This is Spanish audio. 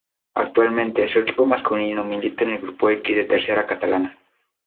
Actualmente, su equipo masculino milita en el Grupo X de Tercera Catalana.